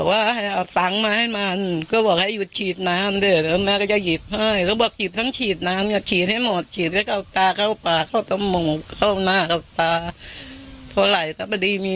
เราก็เลยแจ้งเราก็ตัดสินใจตัดสินใจว่ายังไงก็ต้องเอาลูกเขาคุกให้ได้